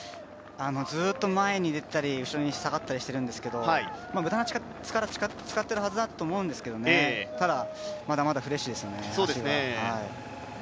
ずっと前に出たり、後ろに下がったりしているんですけれども無駄な力を使っているはずだと思うんですけどもただ、まだまだフレッシュですね、足が。